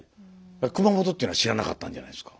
熊本っていうのは知らなかったんじゃないですか？